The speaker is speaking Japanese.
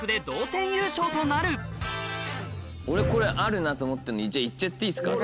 俺これあるなと思ってるの行っちゃっていいっすか？